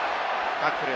タックル。